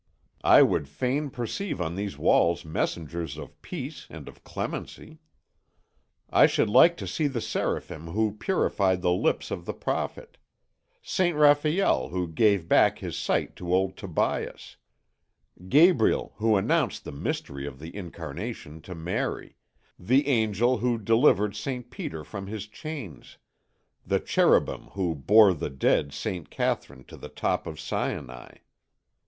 I would fain perceive on these walls messengers of peace and of clemency. I should like to see the Seraphim who purified the lips of the prophet, St. Raphael who gave back his sight to old Tobias, Gabriel who announced the Mystery of the Incarnation to Mary, the Angel who delivered St. Peter from his chains, the Cherubim who bore the dead St. Catherine to the top of Sinai.